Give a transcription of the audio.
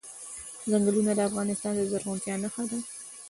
ځنګلونه د افغانستان د زرغونتیا نښه ده.